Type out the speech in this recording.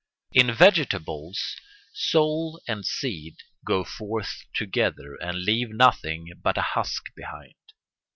In vegetables soul and seed go forth together and leave nothing but a husk behind.